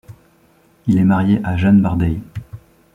Il est marié à Jeanne Bardey.